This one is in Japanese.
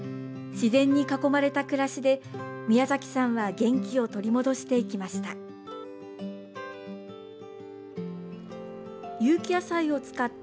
自然に囲まれた暮らしで宮崎さんは元気を取り戻していきました。